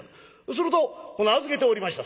すると預けておりました